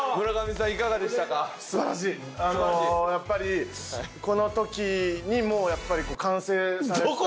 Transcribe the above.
あのやっぱりこの時にもうやっぱり完成されてた。